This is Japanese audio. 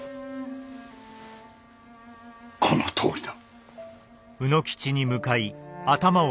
このとおりだ。